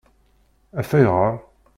Af ayɣeṛ?